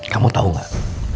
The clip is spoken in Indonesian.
kamu tahu gak